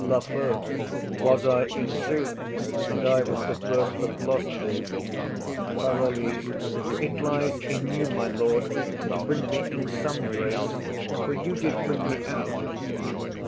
LAFEW. Was I, in sooth? And I was the first that lost thee. PAROLLES. It lies in you, my lord, to bring me in some grace, for you did bring me out.